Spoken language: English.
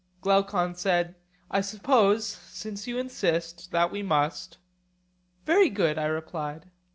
Glaucon said: I suppose, since you insist, that we must. Very good, I replied.